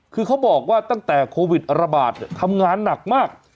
คือเขาบอกว่าตั้งแต่โควิดระบาดทำงานหนักมาก